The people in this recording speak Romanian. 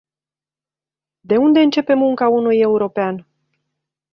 De unde începe munca unui european?